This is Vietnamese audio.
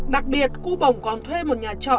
đặc biệt cu bổng còn thuê một nhà trọ